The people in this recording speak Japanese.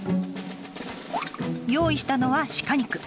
用意したのは鹿肉。